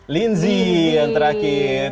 lindsay yang terakhir